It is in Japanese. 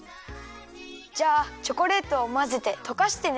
じゃあチョコレートをまぜてとかしてね。